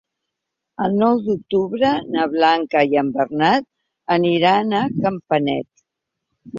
El nou d'octubre na Blanca i en Bernat aniran a Campanet.